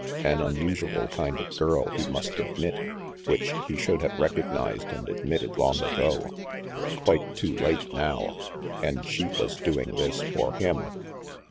An unusual kind of girl, he must admit, which he should have recognized and admitted long ago. Quite too late now. And she was doing this for him!